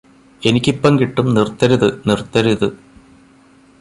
എനിക്കിപ്പം കിട്ടും നിര്ത്തരുത് നിര്ത്തരുത്